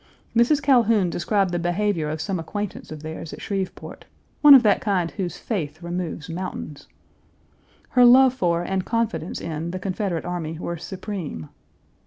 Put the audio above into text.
Mrs. Calhoun described the behavior of some acquaintance of theirs at Shreveport, one of that kind whose faith removes mountains. Her love for and confidence in the Confederate army were supreme.